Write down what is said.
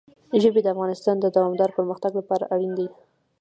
ژبې د افغانستان د دوامداره پرمختګ لپاره اړین دي.